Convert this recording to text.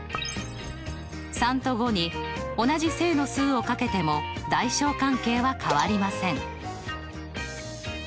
３と５に同じ正の数を掛けても大小関係は変わりません。